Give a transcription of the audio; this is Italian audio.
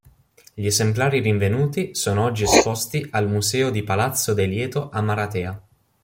Gli esemplari rinvenuti sono oggi esposti al museo di Palazzo De Lieto a Maratea.